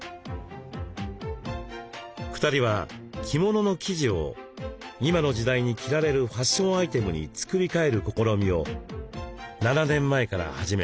２人は着物の生地を今の時代に着られるファッションアイテムに作り替える試みを７年前から始めました。